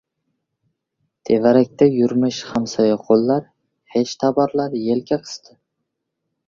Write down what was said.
Tevarakda yurmish hamsoya-qo‘llar, xesh-taborlar yelka qisdi.